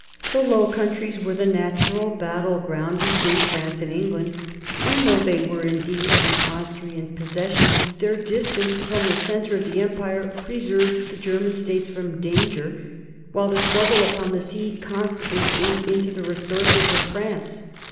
The Low Countries were the natural i. 1745 48 WAR OF SUCCESSION 0)5 battleground between France and England ; and though they were indeed an Austrian possession, their distance from the centre of the Empire preserved the German States from danger, while the struggle upon the sea N constantly ate into the resources of France.